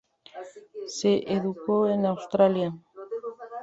Se educó en Australia.